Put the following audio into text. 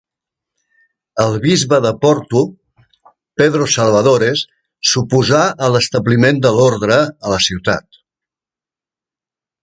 El bisbe de Porto, Pedro Salvadores s'oposà a l'establiment de l'orde a la ciutat.